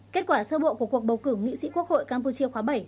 kết quả sơ bộ của cuộc bầu cử nghị sĩ quốc hội campuchia khóa bảy